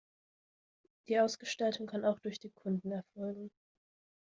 Die Ausgestaltung kann auch durch den Kunden erfolgen.